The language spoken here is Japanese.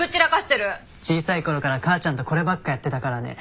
小さい頃から母ちゃんとこればっかやってたからね。